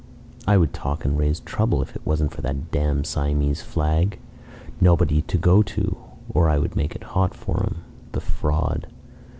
"I would talk and raise trouble if it wasn't for that damned Siamese flag. Nobody to go to or I would make it hot for him. The fraud!